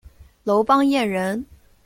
楼邦彦人。